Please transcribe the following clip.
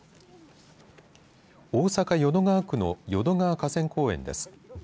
大阪、淀川区の淀川河川公園です。